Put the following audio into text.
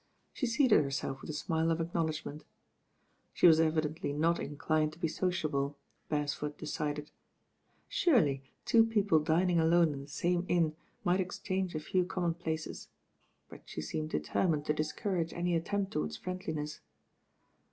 She seated herself with a smile of acknowledgment. She was evidently not inclined to be sociable, Beresford decided. Surely two people dining alone m the same mn might exchange a few common places; but she seemed determined to discourage any attempt towards friendliness.